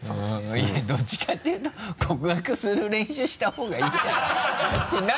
どっちかっていうと告白する練習した方がいいんじゃない？